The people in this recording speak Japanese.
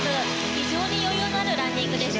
非常に余裕のあるランディングでした。